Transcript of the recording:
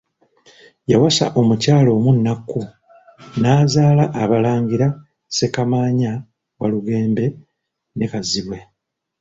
Yawasa omukyala omu Nnakku n'azaala abalangira Ssekamaanya, Walugembe ne Kazibwe.